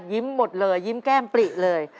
หมดเลยยิ้มแก้มปริเลย